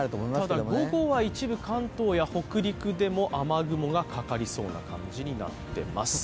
ただ、午後は一部関東や北陸でも雲がかかりそうになっています。